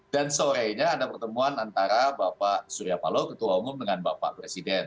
dan sorenya ada pertemuan antara bapak surya paloh ketua umum dengan bapak presiden